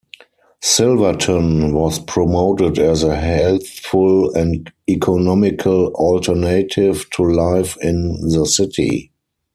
Silverton was promoted as a healthful and economical alternative to life in the city.